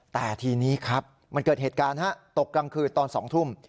แต่ทีนี้ครับมันเกิดเหตุการณ์ตกกลางคืนตอน๒ทุ่ม